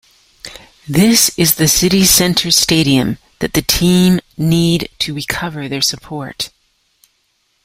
This is the city center stadium that the team need to recover their support.